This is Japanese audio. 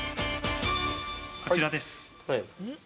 ◆こちらです。